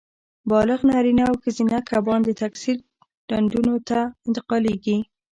بالغ نارینه او ښځینه کبان د تکثیر ډنډونو ته انتقالېږي.